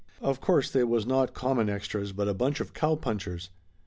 Of course they was not common extras, but a bunch of cow punchers.